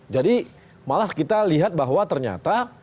jadi malah kita lihat bahwa ternyata